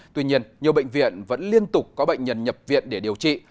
tuy nhiên nhiều bệnh viện vẫn liên tục có bệnh nhân nhập viện để điều trị